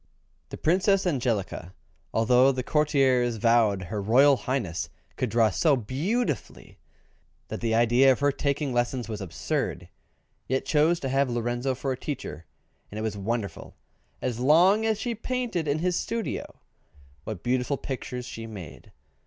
The Princess Angelica, although the courtiers vowed her Royal Highness could draw so beautifully that the idea of her taking lessons was absurd, yet chose to have Lorenzo for a teacher, and it was wonderful, as long as she painted in his studio, what beautiful pictures she made!